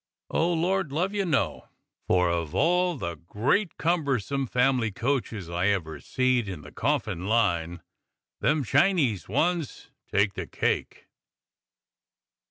Oh, Lord love you, no, for of all the great cumbersome family coaches I ever seed in the coffin line, them Chinese ones took the cake.